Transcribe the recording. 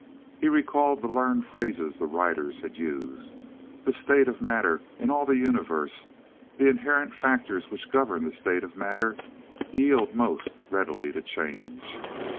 He recalled the learned phrases the writers had used.... The state of matter. In all the Universe, the inherent factors which govern the state of matter yield most readily to a change.